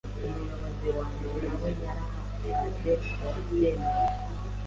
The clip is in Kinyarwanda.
Umuyobozi wanjye nawe yarahagaze uwabyemeye